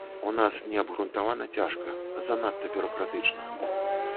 У нас неабгрунтавана цяжка, занадта бюракратычна.